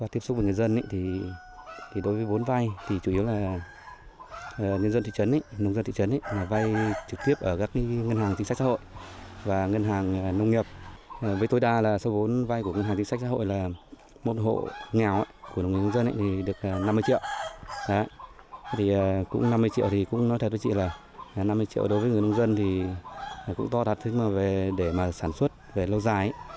thì cũng to đặt thế mà để mà sản xuất về lâu dài